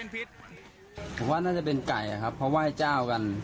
ผมว่าน่าจะเป็นไก่ครับเพราะว่าไอ้เจ้ากัน